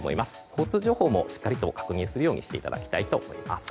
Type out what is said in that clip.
交通情報もしっかりと確認するようにしていただきたいと思います。